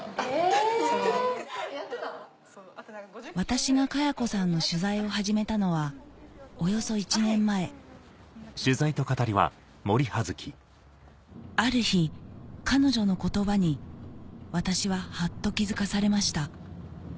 ・私がかや子さんの取材を始めたのはおよそ１年前ある日彼女の言葉に私はハッと気付かされました